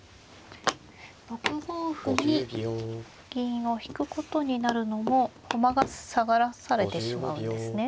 ６五歩に銀を引くことになるのも駒が下がらされてしまうんですね。